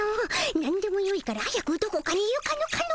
なんでもよいから早くどこかに行かぬかの。